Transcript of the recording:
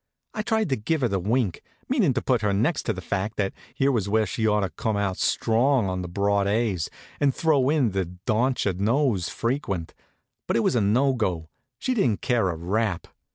I tried to give her the wink, meanin' to put her next to the fact that here was where she ought to come out strong on the broad A's, and throw in the dontcher knows frequent; but it was no go. She didn't care a rap.